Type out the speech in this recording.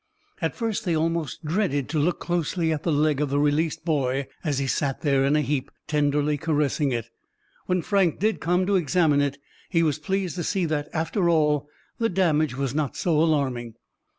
At first they almost dreaded to look closely at the leg of the released boy as he sat there in a heap, tenderly caressing it. When Frank did come to examine it, he was pleased to see that, after all, the damage was not so alarming.